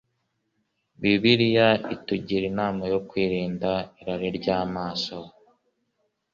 bibiliya itugira inama yo kwirinda irari ry'amaso